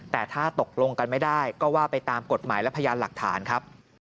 แต่ถ้าตกลงกันไม่ได้ก็ว่าไปตามกฎหมายและพยานหลักฐานครับ